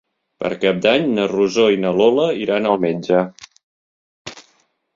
Per Cap d'Any na Rosó i na Lola iran al metge.